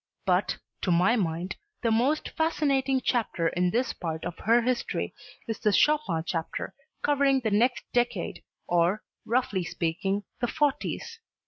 But, to my mind, the most fascinating chapter in this part of her history is the Chopin chapter, covering the next decade, or, roughly speaking, the 'forties.